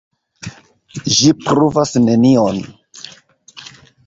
Ĝi pruvas nenion.